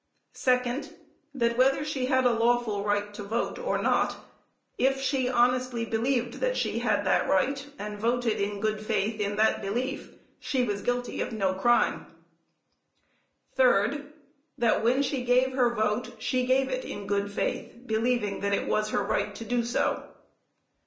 Second That whether she had a lawful right to vote or not, it she honestly believed that she had that right and voted in good faith in that belief, she was guilty of no crime. Third That when she gave her vote she gave it in good faith, believing that it was her right to do so.